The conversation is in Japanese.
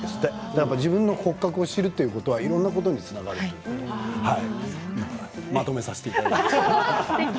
だから自分の骨格を知るということはいろいろなことにつながるとまとめさせていただきました。